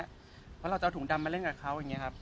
เพราะเราจะเอาถุงดำมาเล่นกับเขาอย่างนี้ครับ